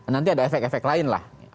nanti ada efek efek lain lah